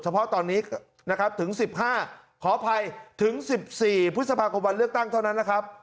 เพราะตอนนี้นะครับถึง๑๕ขออภัยถึง๑๔พฤษภาคมวันเลือกตั้งเท่านั้นนะครับ